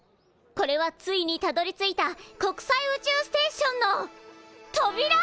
これはついにたどりついた国際宇宙ステーションのとびら！